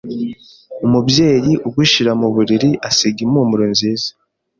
Umubyeyi ugushyira mu buriri asiga impumuro nziza